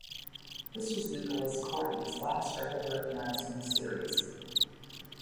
This was Nicholas Courtney's last regular appearance in the series.